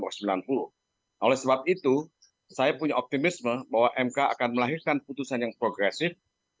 oleh sebab itu saya punya optimisme bahwa mk akan melahirkan putusan yang progresif